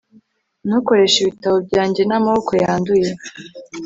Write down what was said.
ntukoreshe ibitabo byanjye n'amaboko yanduye